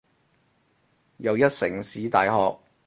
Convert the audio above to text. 又一城市大學